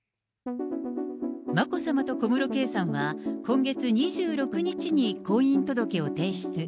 眞子さまと小室圭さんは、今月２６日に婚姻届を提出。